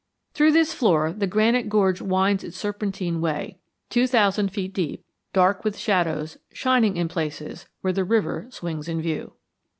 Through this floor the Granite Gorge winds its serpentine way, two thousand feet deep, dark with shadows, shining in places where the river swings in view.